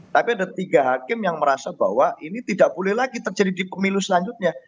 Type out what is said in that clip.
tapi ada tiga hakim yang merasa bahwa ini tidak boleh lagi terjadi di pemilu selanjutnya